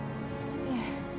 ええ。